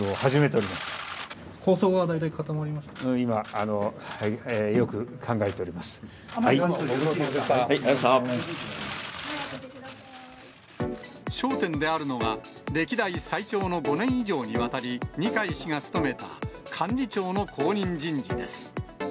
甘利幹事長でよろしいでしょ焦点であるのが、歴代最長の５年以上にわたり二階氏が務めた幹事長の後任人事です。